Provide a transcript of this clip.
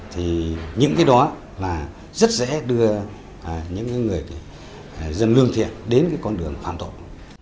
thì những cái đó là rất dễ đưa những người dân lương thiện đến con đường phản tội